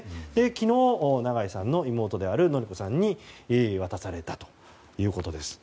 昨日、長井さんの妹である典子さんに渡されたということです。